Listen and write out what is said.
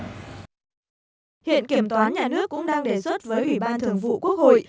hiện kiểm toán nhà nước cũng đang đề xuất với ủy ban thường vụ quốc hội